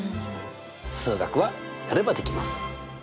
数学はやればできます。